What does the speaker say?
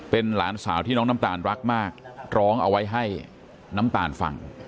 เป็นหลานสาวที่น้องน้ำตาลรักมากร้องเอาไว้ให้น้ำตาลฟัง